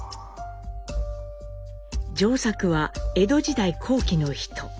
丈作は江戸時代後期の人。